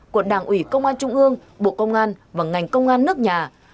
của đảng ủy công an trung ương bộ công an và ngành công an nước nhà